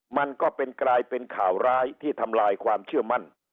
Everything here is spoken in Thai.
มันก็เป็นกลายเป็นข่าวร้ายที่ทำลายความเชื่อมั่น